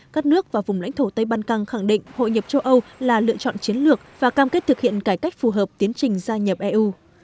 các nước và vùng lãnh thổ tây ban căng khẳng định hội nhập châu âu là lựa chọn chiến lược và cam kết thực hiện cải cách phù hợp tiến trình gia nhập eu